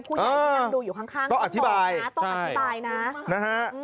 ผู้ย่างที่นั่งดูอยู่ข้างต้องบอกนะต้องอธิบายนะ